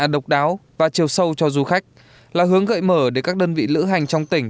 độc đáo và chiều sâu cho du khách là hướng gợi mở để các đơn vị lữ hành trong tỉnh